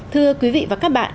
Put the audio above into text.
thưa quý vị và các bạn